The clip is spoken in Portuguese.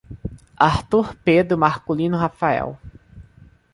Arthur Pedro Marcolino Rafael